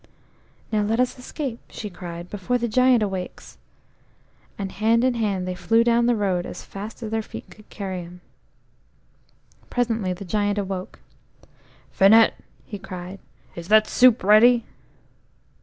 "Now let us escape," she cried, "before the Giant awakes." And hand in hand they flew down the road as fast as their feet could carry them. Presently the Giant awoke. "Finette," he cried; "is that soup ready?"